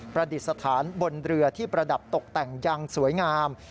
ประดิษฐานบนเรือที่ประดับตกแต่งอย่างสวยงาม